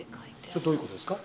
それどういうことですか？